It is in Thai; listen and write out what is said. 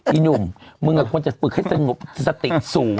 อีหนุ่มมึงควรจะฝึกให้สงบสติสูง